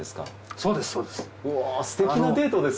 そうですそうです。